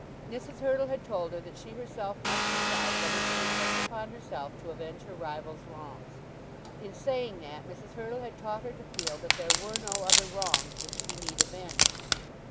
Mrs. Hurtle had told her that she herself must decide whether she would take upon herself to avenge her rival's wrongs. In saying that Mrs. Hurtle had taught her to feel that there were no other wrongs which she need avenge.